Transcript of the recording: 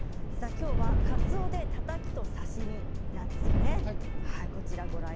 きょうはかつおでたたきと刺身なんですよね。